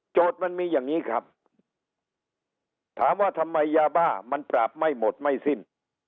มันมีอย่างนี้ครับถามว่าทำไมยาบ้ามันปราบไม่หมดไม่สิ้น